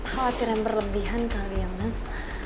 khawatir yang berlebihan kali ya mas